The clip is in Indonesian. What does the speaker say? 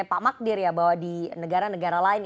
pak magdir ya bahwa di negara negara lain